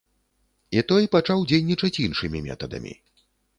І той пачаў дзейнічаць іншымі метадамі.